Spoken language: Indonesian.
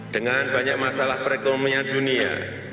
dengan banyak masalah perekonomian dunia